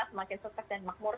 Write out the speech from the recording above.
semakin sukses dan makmur